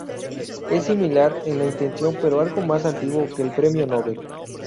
Es similar en la intención, pero algo más antiguo que el Premio Nobel.